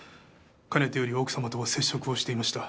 かねてより奥様と接触をしていました。